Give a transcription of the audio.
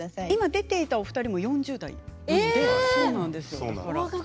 今出ていたお二人も４０代。